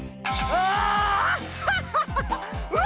ああ！